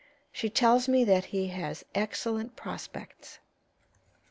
She tells me that he has excellent prospects."